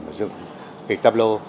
mà dựng kịch tạp lô